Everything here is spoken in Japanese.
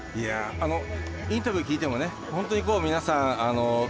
インタビューを聞いても本当に皆さん